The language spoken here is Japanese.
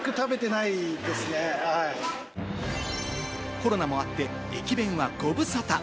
コロナもあって、駅弁はご無沙汰。